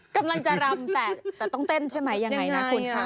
กำลังจะรำแต่ต้องเต้นใช่ไหมยังไงนะคุณค่ะ